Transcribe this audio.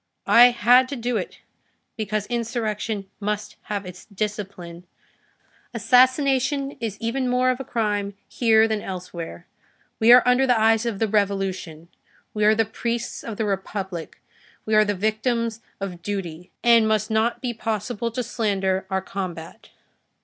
I had to do it, because insurrection must have its discipline. Assassination is even more of a crime here than elsewhere; we are under the eyes of the Revolution, we are the priests of the Republic, we are the victims of duty, and must not be possible to slander our combat.